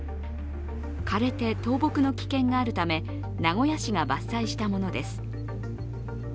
枯れて倒木の危険があるため名古屋市が伐採したものです。